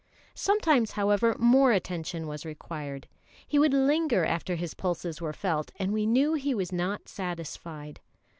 Sometimes, however, more attention was required. He would linger after his pulses were felt, and we knew he was not satisfied.